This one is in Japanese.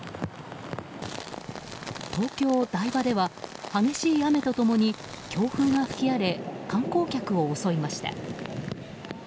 東京・台場では激しい雨と共に強風が吹き荒れ観光客を襲いました。